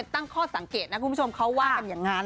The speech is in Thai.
ตั้งข้อสังเกตนะคุณผู้ชมเขาว่ากันอย่างนั้น